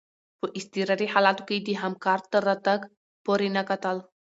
په اضطراري حالاتو کي د همکار تر راتګ پوري نه کتل.